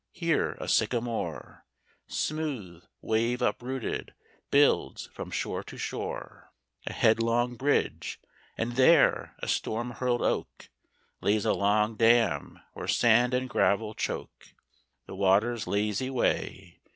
Here a sycamore, Smooth, wave uprooted, builds from shore to shore A headlong bridge; and there, a storm hurled oak Lays a long dam, where sand and gravel choke The water's lazy way.